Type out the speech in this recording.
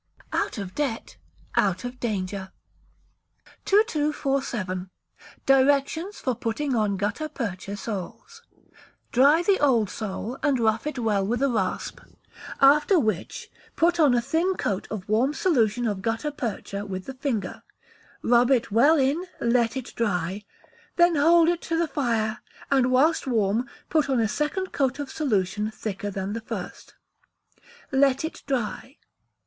[OUT OF DEBT, OUT OF DANGER.] 2247. Directions for putting on Gutta Percha Soles. Dry the old sole, and rough it well with a rasp, after which, put on a thin coat of warm solution of gutta percha with the finger, rub it well in; let it dry, then hold it to the fire, and whilst warm, put on a second coat of solution thicker than the first; let it dry.